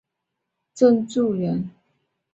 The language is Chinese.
郑注人。